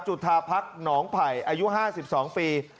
จุธาพักหนองไผ่อายุ๕๒ปี